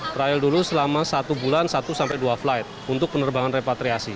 trial dulu selama satu bulan satu sampai dua flight untuk penerbangan repatriasi